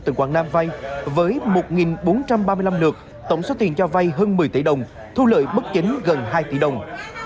tỉnh quảng nam vay với một bốn trăm ba mươi năm lượt tổng số tiền cho vay hơn một mươi tỷ đồng thu lợi bất chính gần hai tỷ đồng